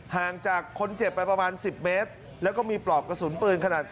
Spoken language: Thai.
ห่างจากคนเจ็บไปประมาณ๑๐เมตรแล้วก็มีปลอกกระสุนปืนขนาด